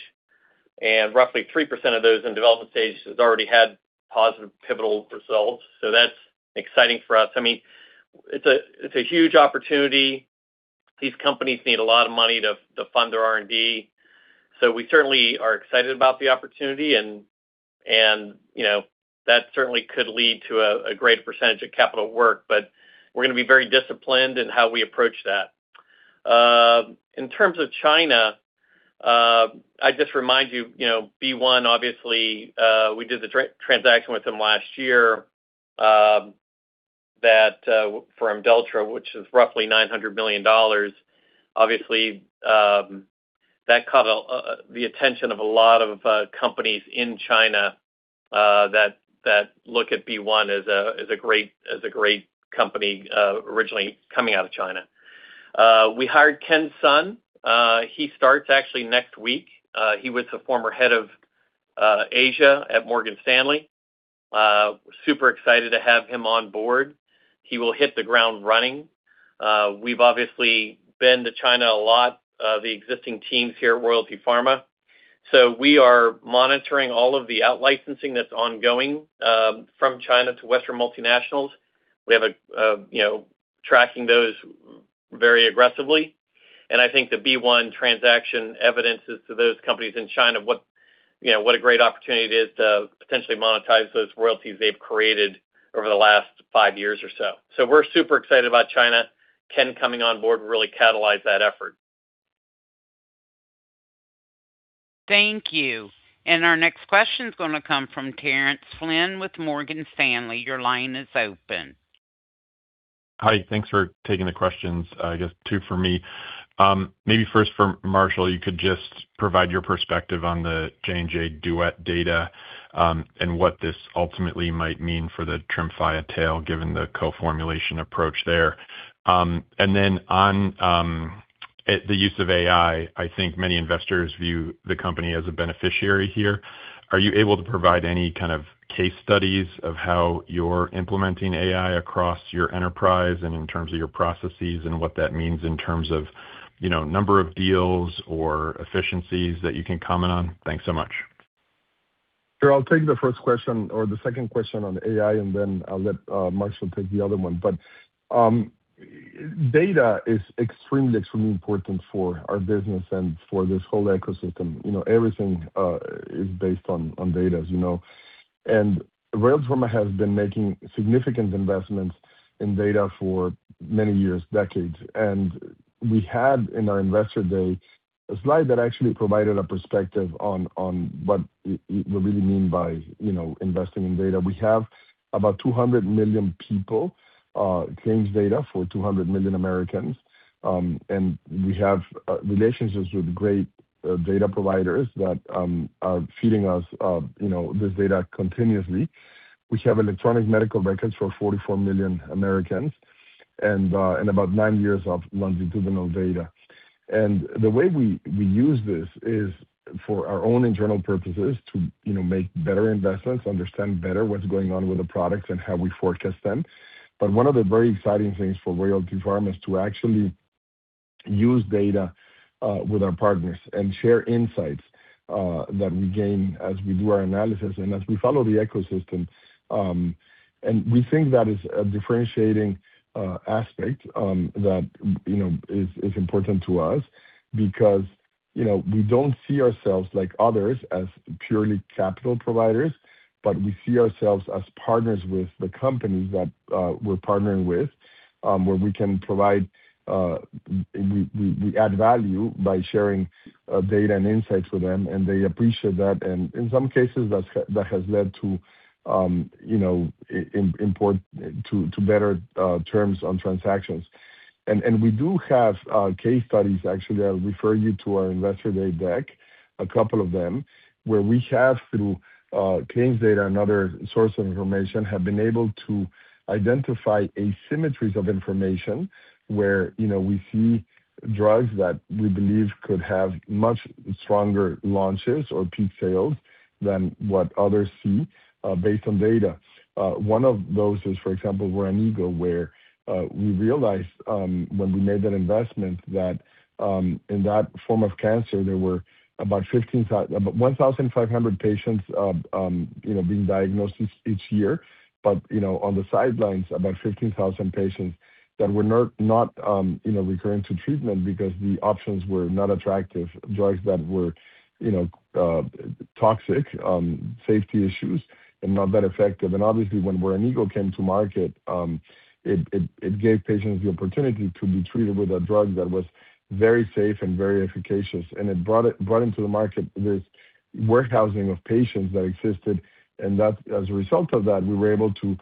[SPEAKER 4] and roughly 3% of those in development stage has already had positive pivotal results. That's exciting for us. I mean, it's a huge opportunity. These companies need a lot of money to fund their R&D. We certainly are excited about the opportunity, you know, that certainly could lead to a greater percentage of capital work, but we're going to be very disciplined in how we approach that. In terms of China, I'd just remind you know, BeOne obviously, we did the transaction with them last year, that from Imdelltra, which is roughly $900 million. Obviously, that caught the attention of a lot of companies in China that look at BeOne as a great company originally coming out of China. We hired Ken Sun. He starts actually next week. He was the former Head of Asia at Morgan Stanley. Super excited to have him on board. He will hit the ground running. We've obviously been to China a lot, the existing teams here at Royalty Pharma. We are monitoring all of the out licensing that's ongoing from China to Western multinationals. We have, you know, tracking those very aggressively. I think the BeOne transaction evidences to those companies in China what, you know, what a great opportunity it is to potentially monetize those royalties they've created over the last five years or so. We're super excited about China. Ken coming on board really catalyzed that effort.
[SPEAKER 1] Thank you. Our next question is going to come from Terence Flynn with Morgan Stanley. Your line is open.
[SPEAKER 13] Hi. Thanks for taking the questions. I guess two for me. Maybe first for Marshall, you could just provide your perspective on the J&J DUET data, and what this ultimately might mean for the Tremfya tail, given the co-formulation approach there. On the use of AI, I think many investors view the company as a beneficiary here. Are you able to provide any kind of case studies of how you're implementing AI across your enterprise and in terms of your processes and what that means in terms of, you know, number of deals or efficiencies that you can comment on? Thanks so much.
[SPEAKER 3] Sure. I'll take the first question or the second question on AI, then I'll let Marshall take the other one. Data is extremely important for our business and for this whole ecosystem. You know, everything is based on data, as you know. Royalty Pharma has been making significant investments in data for many years, decades. We had, in our investor day, a slide that actually provided a perspective on what we really mean by, you know, investing in data. We have about 200 million people, claims data for 200 million Americans. We have relationships with great data providers that are feeding us, you know, this data continuously. We have electronic medical records for 44 million Americans and about nine years of longitudinal data. The way we use this is for our own internal purposes to, you know, make better investments, understand better what's going on with the products and how we forecast them. One of the very exciting things for Royalty Pharma is to actually use data with our partners and share insights that we gain as we do our analysis and as we follow the ecosystem. We think that is a differentiating aspect that, you know, is important to us because, you know, we don't see ourselves like others as purely capital providers, but we see ourselves as partners with the companies that we're partnering with, where we can provide, we add value by sharing data and insights with them, and they appreciate that. In some cases that's, that has led to, you know, to better terms on transactions. We do have case studies. Actually, I'll refer you to our Investor Day deck, a couple of them, where we have through claims data and other source of information, have been able to identify asymmetries of information where, you know, we see drugs that we believe could have much stronger launches or peak sales than what others see based on data. One of those is, for example, Voranigo, where we realized when we made that investment that in that form of cancer, there were about 1,500 patients, you know, being diagnosed each year. You know, on the sidelines, about 15,000 patients that were not recurring to treatment because the options were not attractive drugs that were, you know, toxic, safety issues and not that effective. Obviously, when Voranigo came to market, it gave patients the opportunity to be treated with a drug that was very safe and very efficacious, and it brought into the market this work housing of patients that existed. That, as a result of that, we were able to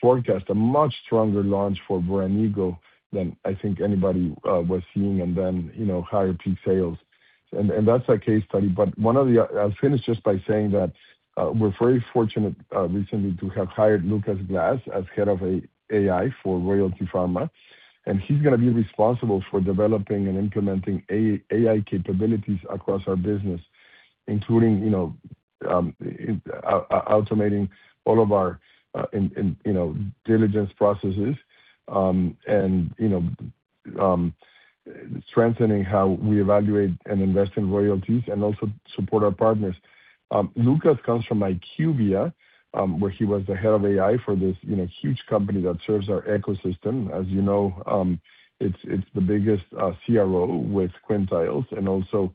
[SPEAKER 3] forecast a much stronger launch for Voranigo than I think anybody was seeing and then, you know, higher peak sales. That's a case study. I'll finish just by saying that, we're very fortunate, recently to have hired Lucas Glass as Head of AI for Royalty Pharma, and he's going to be responsible for developing and implementing AI capabilities across our business, including, you know, automating all of our, you know, diligence processes, and, you know, strengthening how we evaluate and invest in royalties and also support our partners. Lucas comes from IQVIA, where he was the Head of AI for this, you know, huge company that serves our ecosystem. As you know, it's the biggest CRO with Quintiles and also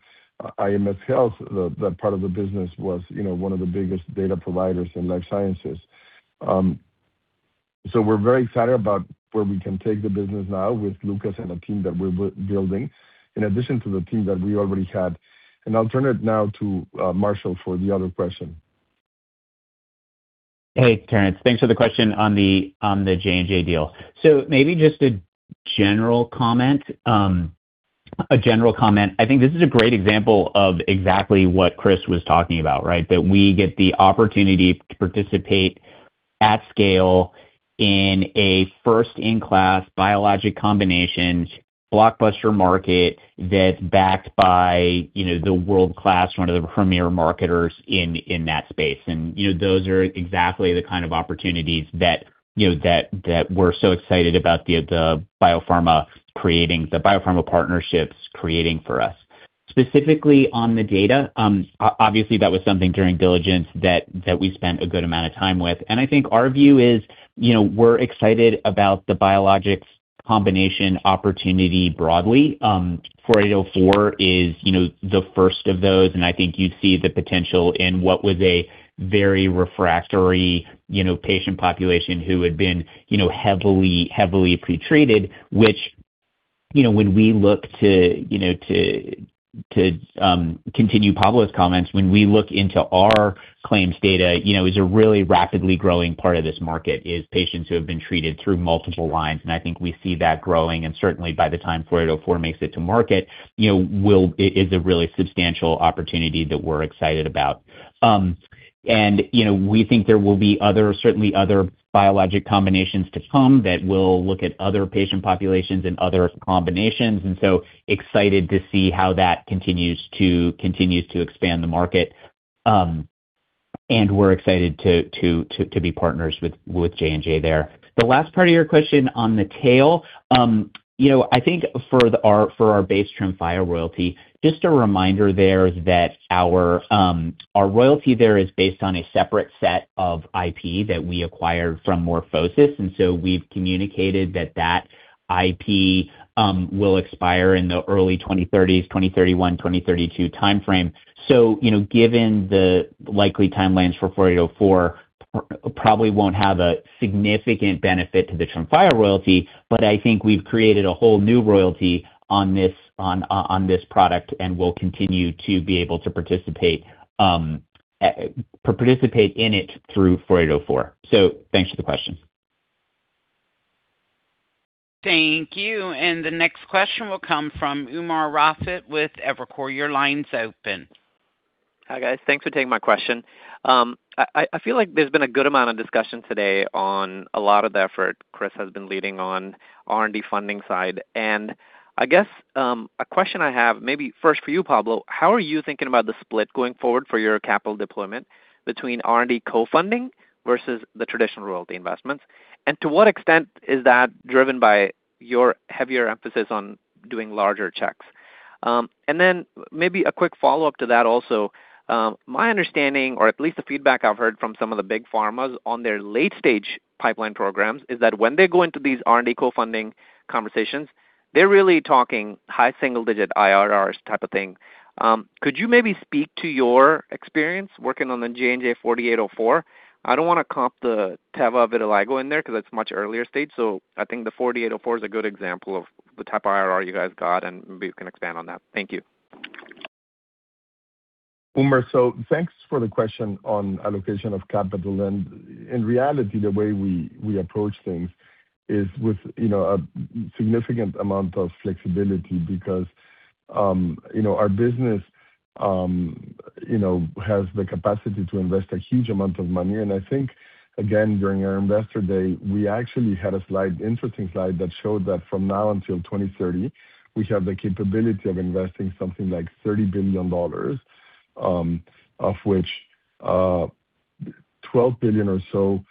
[SPEAKER 3] IMS Health. That part of the business was, you know, one of the biggest data providers in life sciences. We're very excited about where we can take the business now with Lucas and the team that we're building, in addition to the team that we already had. I'll turn it now to Marshall for the other question.
[SPEAKER 5] Hey, Terence. Thanks for the question on the J&J deal. Maybe just a general comment. A general comment. I think this is a great example of exactly what Chris was talking about, right? That we get the opportunity to participate at scale in a first-in-class biologic combinations blockbuster market that's backed by, you know, the world-class, one of the premier marketers in that space. You know, those are exactly the kind of opportunities that, you know, we're so excited about the biopharma partnerships creating for us. Specifically on the data, obviously that was something during diligence that we spent a good amount of time with. I think our view is, you know, we're excited about the biologics combination opportunity broadly. 4804 is the first of those, I think you'd see the potential in what was a very refractory patient population who had been heavily pre-treated, which, when we look to continue Pablo's comments, when we look into our claims data, is a really rapidly growing part of this market, is patients who have been treated through multiple lines. I think we see that growing and certainly by the time 4804 makes it to market, is a really substantial opportunity that we're excited about. We think there will be other, certainly other biologic combinations to come that will look at other patient populations and other combinations, excited to see how that continues to expand the market. We're excited to be partners with J&J there. The last part of your question on the tail, I think for our base Tremfya royalty, just a reminder there that our royalty there is based on a separate set of IP that we acquired from MorphoSys. We've communicated that that IP will expire in the early 2030s, 2031, 2032 timeframe. You know, given the likely timelines for 4804, probably won't have a significant benefit to the Tremfya royalty, but I think we've created a whole new royalty on this product and will continue to be able to participate in it through 4804. Thanks for the question.
[SPEAKER 1] Thank you. The next question will come from Umer Raffat with Evercore. Your line's open.
[SPEAKER 14] Hi, guys. Thanks for taking my question. I feel like there's been a good amount of discussion today on a lot of the effort Chris has been leading on R&D funding side. I guess, a question I have maybe first for you, Pablo, how are you thinking about the split going forward for your capital deployment between R&D co-funding versus the traditional royalty investments? To what extent is that driven by your heavier emphasis on doing larger checks? Maybe a quick follow-up to that also. My understanding or at least the feedback I've heard from some of the big pharmas on their late-stage pipeline programs is that when they go into these R&D co-funding conversations, they're really talking high single-digit IRRs type of thing. Could you maybe speak to your experience working on the JNJ-4804? I don't wanna comp the Teva vitiligo in there 'cause it's much earlier stage, so I think the 4804 is a good example of the type of IRR you guys got, and maybe you can expand on that. Thank you.
[SPEAKER 3] Umer, thanks for the question on allocation of capital. In reality, the way we approach things is with, you know, a significant amount of flexibility because, you know, our business, you know, has the capacity to invest a huge amount of money. I think, again, during our investor day, we actually had a slide, interesting slide that showed that from now until 2030, we have the capability of investing something like $30 billion, of which $12 billion or so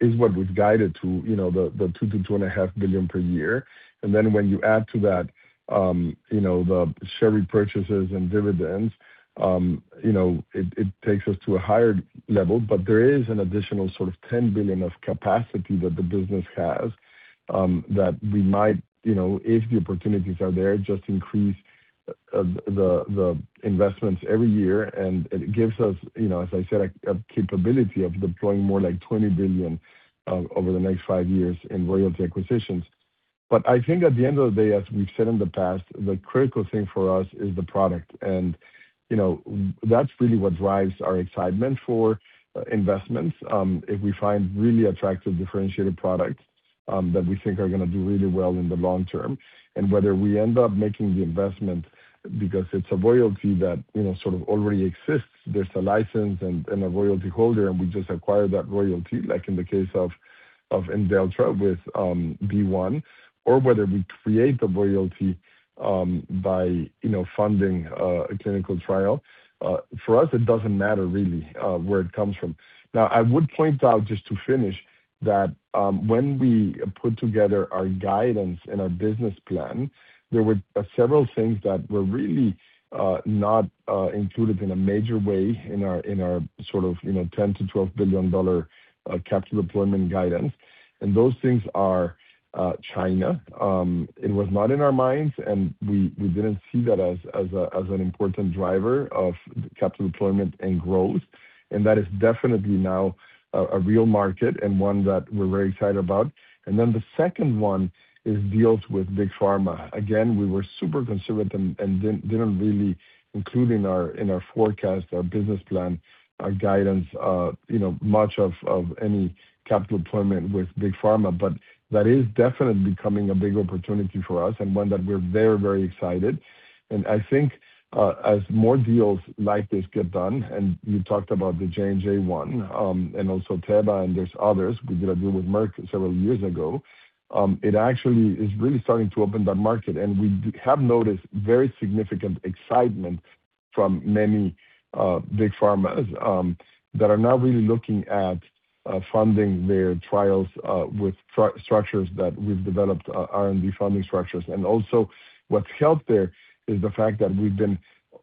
[SPEAKER 3] is what we've guided to, you know, the $2 billion-$2.5 billion/year. When you add to that, you know, the share repurchases and dividends, you know, it takes us to a higher level. There is an additional sort of $10 billion of capacity that the business has, that we might, you know, if the opportunities are there, just increase the investments every year. It gives us, you know, as I said, a capability of deploying more like $20 billion over the next five years in royalty acquisitions. I think at the end of the day, as we've said in the past, the critical thing for us is the product. You know, that's really what drives our excitement for investments. If we find really attractive differentiated products, that we think are gonna do really well in the long term, whether we end up making the investment because it's a royalty that, you know, sort of already exists, there's a license and a royalty holder, and we just acquire that royalty, like in the case of Imdelltra with BeOne, or whether we create the royalty, by, you know, funding a clinical trial, for us it doesn't matter really, where it comes from. I would point out, just to finish, that when we put together our guidance and our business plan, there were several things that were really not included in a major way in our sort of, you know, $10 billion-$12 billion capital deployment guidance. Those things are China. It was not in our minds, and we didn't see that as a, as an important driver of capital deployment and growth, and that is definitely now a real market and one that we're very excited about. The second one is deals with big pharma. Again, we were super conservative and didn't really include in our, in our forecast, our business plan, our guidance, you know, much of any capital deployment with big pharma. That is definitely becoming a big opportunity for us and one that we're very, very excited. I think as more deals like this get done, and you talked about the J&J one, and also Teva and there's others, we did a deal with Merck several years ago, it actually is really starting to open that market. We have noticed very significant excitement from many big pharmas that are now really looking at funding their trials with structures that we've developed, R&D funding structures. Also what's helped there is the fact that we've been,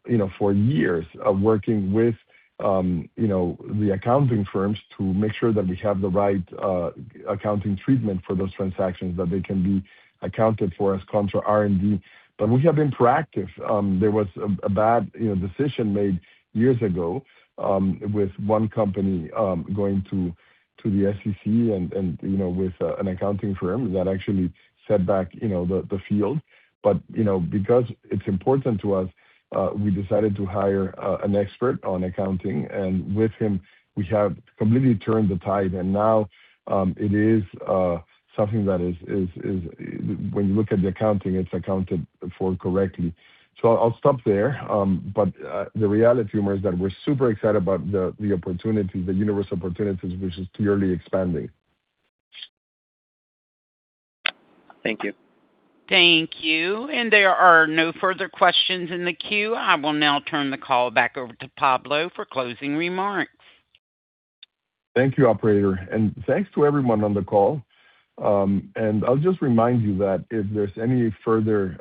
[SPEAKER 3] you know, for years working with, you know, the accounting firms to make sure that we have the right accounting treatment for those transactions, that they can be accounted for as contra R&D. We have been proactive. There was a bad, you know, decision made years ago with one company going to the SEC and, you know, with an accounting firm that actually set back, you know, the field. You know, because it's important to us, we decided to hire an expert on accounting, and with him we have completely turned the tide. Now, it is something that is when you look at the accounting, it's accounted for correctly. I'll stop there. The reality, Umer, is that we're super excited about the opportunity, the universe of opportunities, which is clearly expanding.
[SPEAKER 14] Thank you.
[SPEAKER 1] Thank you. There are no further questions in the queue. I will now turn the call back over to Pablo for closing remarks.
[SPEAKER 3] Thank you, Operator, thanks to everyone on the call. I'll just remind you that if there's any further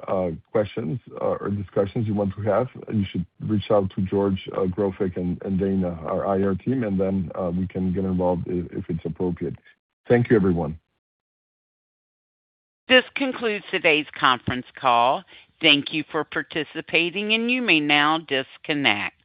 [SPEAKER 3] questions or discussions you want to have, you should reach out to George Grofik and Dana, our IR team, and then we can get involved if it's appropriate. Thank you, everyone.
[SPEAKER 1] This concludes today's conference call. Thank you for participating. You may now disconnect.